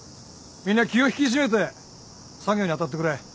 みんな気を引き締めて作業に当たってくれ。